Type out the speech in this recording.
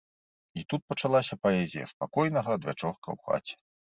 І тут пачалася паэзія спакойнага адвячорка ў хаце.